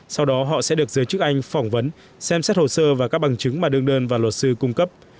sau đó họ sẽ được giới chức anh phỏng vấn xem xét hồ sơ và các bằng chứng mà đơn đơn và luật sư cung cấp